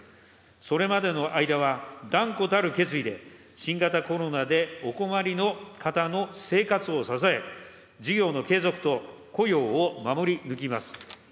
それまでの間は、断固たる決意で、新型コロナでお困りの方の生活を支え、事業の継続と雇用を守り抜きます。